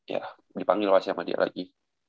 ya dipanggil oleh sama dia lagi